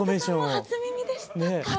初耳でした。